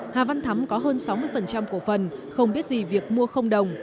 hà văn thắm có hơn sáu mươi cổ phần không biết gì việc mua không đồng